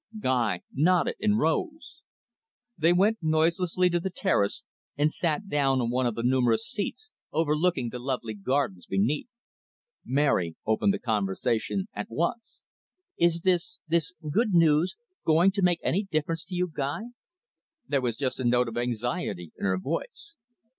Guy nodded and rose. They went noiselessly to the terrace, and sat down on one of the numerous seats, overlooking the lovely gardens beneath. Mary opened the conversation at once. "Is this this good news going to make any difference to you, Guy?" There was just a note of anxiety in her voice.